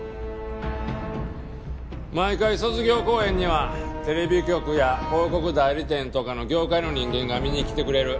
毎回卒業公演にはテレビ局や広告代理店とかの業界の人間が見に来てくれる。